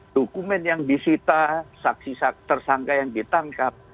dokumen yang disita saksi saksi tersangka yang ditangkap